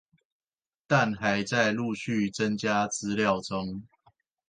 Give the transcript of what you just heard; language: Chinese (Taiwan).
但還在陸續增加資料中